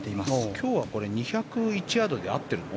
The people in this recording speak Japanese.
今日は２０１ヤードで合ってるの？